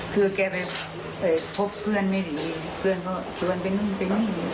คือแกไปพบเพื่อนไม่หนีเพื่อนก็ชวนไปนู่นไปนี่